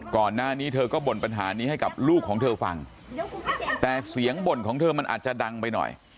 ก่อนหน้านี้เธอก็บ่นปัญหานี้ให้กับลูกของเธอฟังแต่เสียงบ่นของเธอมันอาจจะดังไปหน่อย